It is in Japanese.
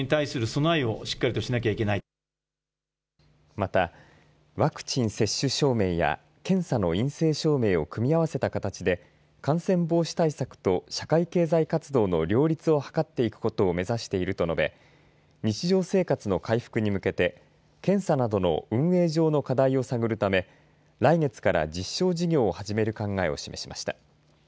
またワクチン接種証明や検査の陰性証明を組み合わせた形で感染防止対策と社会経済活動の両立を図っていくことを目指していると述べ日常生活の回復に向けて検査などの運営上の課題を探るため来月から実証事業を始める考えを示しました。